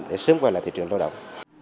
để sớm quay lại thị trường lao động